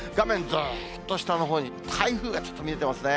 ずーっと下のほうに、台風がちょっと見えてますね。